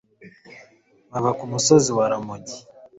baba ku musozi wa ramogi